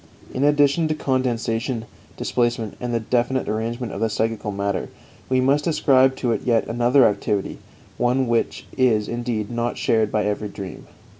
In addition to condensation, displacement, and definite arrangement of the psychical matter, we must ascribe to it yet another activity one which is, indeed, not shared by every dream.